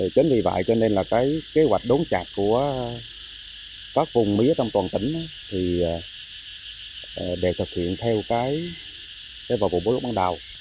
chính vì vậy cho nên là cái kế hoạch đốn chặt của các vùng mía trong toàn tỉnh thì để thực hiện theo vào vụ lúa ban đầu